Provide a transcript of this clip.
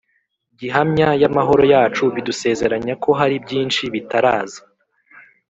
gihamya y'amahoro yacu bidusezeranya ko hari byinshi bitaraza: